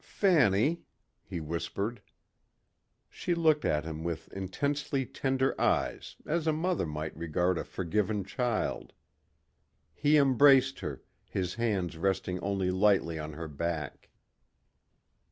"Fanny," he whispered. She looked at him with intensely tender eyes as a mother might regard a forgiven child. He embraced her, his hands resting only lightly on her back.